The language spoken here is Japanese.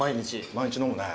毎日飲むね。